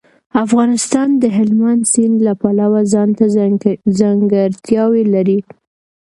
افغانستان د هلمند سیند له پلوه ځانته ځانګړتیاوې لري.